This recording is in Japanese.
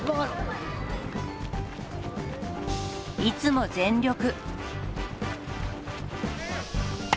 いつも全力。